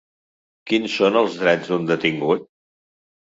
Quins són els drets d’un detingut?